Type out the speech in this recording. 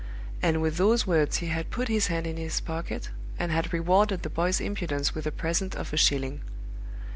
And with those words he had put his hand in his pocket, and had rewarded the boy's impudence with a present of a shilling.